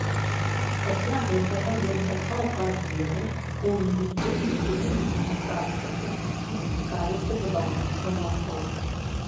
Пасля гэтага ён пачаў кар'еру ў індустрыі чыгуначнага транспарту і зацікавіўся будаўніцтвам мастоў.